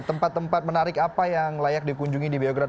tempat tempat menarik apa yang layak dikunjungi di biogram